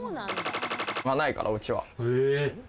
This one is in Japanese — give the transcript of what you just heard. がないから、うちは。